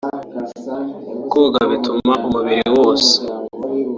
Koga bituma umubiri wose